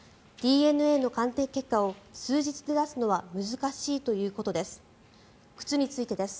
ＤＮＡの鑑定結果を数日で出すのは難しいということです。